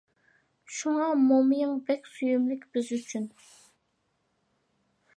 شۇڭا مومىيىڭ بەك سۆيۈملۈك بىز ئۈچۈن.